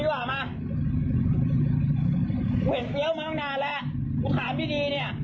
หลักฐานก็มี